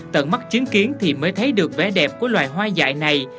tận mắt chứng kiến thì mới thấy được vẻ đẹp của loài hoa dạy này